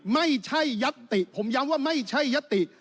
ยัตติผมย้ำว่าไม่ใช่ยัตติ